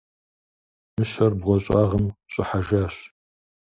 Мыщэр бгъуэщӏагъым щӏыхьэжащ.